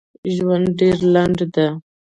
ژوند ډېر لنډ ده